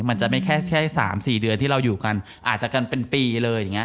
มันจะไม่แค่๓๔เดือนที่เราอยู่กันอาจจะกันเป็นปีเลยอย่างนี้